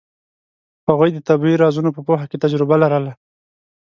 هغوی د طبیعي رازونو په پوهه کې تجربه لرله.